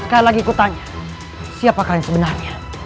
sekali lagi ikut tanya siapa kalian sebenarnya